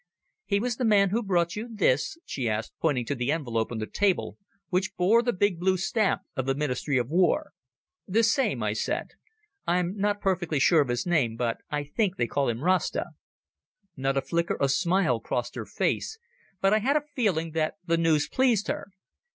"He was the man who brought you this?" she asked, pointing to the envelope on the table which bore the big blue stamp of the Ministry of War. "The same," I said. "I'm not perfectly sure of his name, but I think they call him Rasta." Not a flicker of a smile crossed her face, but I had a feeling that the news pleased her.